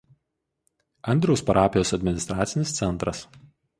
Andriaus parapijos administracinis centras.